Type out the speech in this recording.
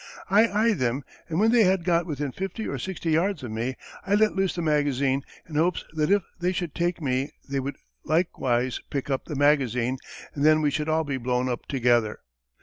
I eyed them, and when they had got within fifty or sixty yards of me I let loose the magazine in hopes that if they should take me they would likewise pick up the magazine and then we should all be blown up together.